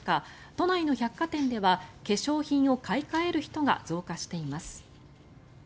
都内の百貨店では化粧品を買い替える人が増加しています。